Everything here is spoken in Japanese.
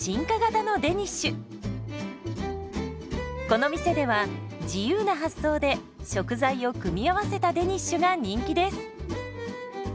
この店では自由な発想で食材を組み合わせたデニッシュが人気です。